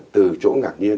từ chỗ ngạc nhiên